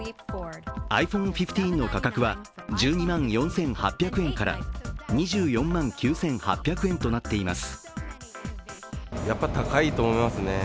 ｉＰｈｏｎｅ１５の価格は１２万４８００円から２４万９８００円となっています。